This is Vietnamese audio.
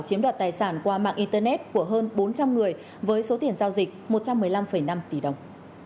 và mạng internet của hơn bốn trăm linh người với số tiền giao dịch một trăm một mươi năm năm tỷ đồng